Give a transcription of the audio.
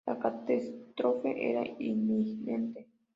La catástrofe era inminente.